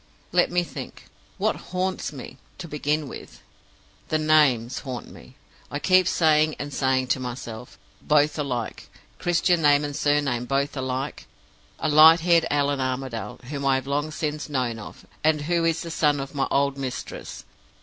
"Let me think. What haunts me, to begin with? "The Names haunt me. I keep saying and saying to myself: Both alike! Christian name and surname both alike! A light haired Allan Armadale, whom I have long since known of, and who is the son of my old mistress.